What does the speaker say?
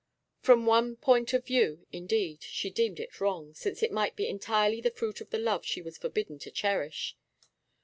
From one point of view, indeed, she deemed it wrong, since it might be entirely the fruit of the love she was forbidden to cherish.